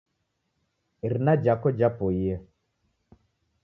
Irina jhako japoie.